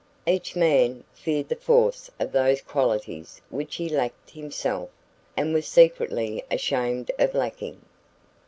Each man feared the force of those qualities which he lacked himself, and was secretly ashamed of lacking.